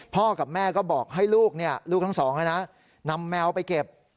กับแม่ก็บอกให้ลูกลูกทั้งสองนำแมวไปเก็บ